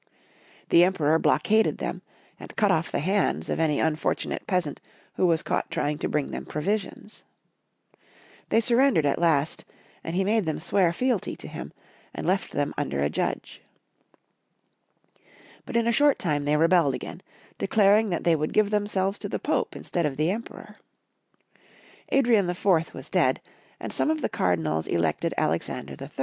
The Emperor blockaded them, and cut off the hands of any un fortunate peasant who was caught trying to bring them provisions. They surrendered at last, and he made them swear fealty to him, and left them miEDBlCH t. BEFUSES TIIB lUiL^NESE SUBMISSION. Friedrich /., BarbaroBsa, 181 under a judge. But in a short time they rebelled again, declaring they would give themselves to the Pope instead of the Emperor. Adrian IV. was dead, and some of the Cardinals elected Alexander III.